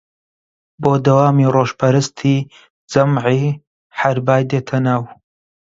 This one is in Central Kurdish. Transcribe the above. بۆ دەوامی ڕۆژپەرستی جەمعی حەربای دێتە ناو